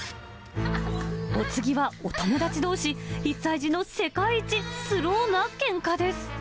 お次は、お友達どうし、１歳児の世界一スローなけんかです。